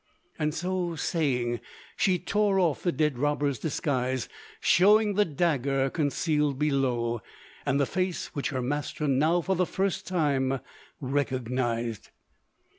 So saying, she tore off the dead robbers disguise, showing the dagger concealed below, and the face which her master now for the first time recognized.